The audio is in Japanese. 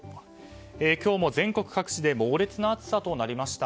今日も全国各地で猛烈な暑さとなりました。